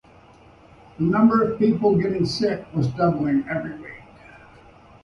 The number of people getting sick was doubling every week.